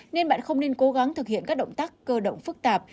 nên bạn không nên cố gắng thực hiện các động tác cơ động phức tạp